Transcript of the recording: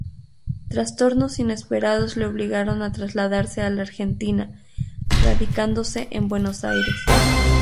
Trastornos inesperados le obligaron a trasladarse a la Argentina, radicándose en Buenos Aires.